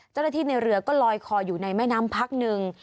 เจ้าหน้าที่ในเรือก็ลอยคออยู่ในแม่น้ำพักหนึ่ง